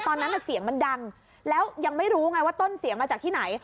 ตอนนั้นเสียงมันดังแล้วยังไม่รู้ไงว่าต้นเสียงมาจากที่ไหน